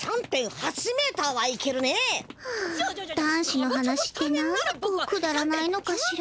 あ男子の話ってなんでこうくだらないのかしら。